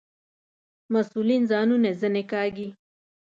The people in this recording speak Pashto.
مسئولین ځانونه ځنې کاږي.